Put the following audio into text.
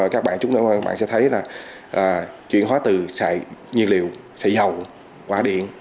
các bạn sẽ thấy là chuyển hóa từ xài nhiên liệu xài dầu hỏa điện